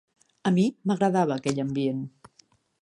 A mi m'agradava aquell ambient.